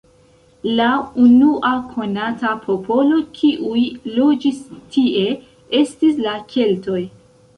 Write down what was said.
La unua konata popolo, kiuj loĝis tie, estis la keltoj.